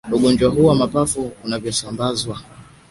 ugonjwa huu wa mapafu unavyosambazwa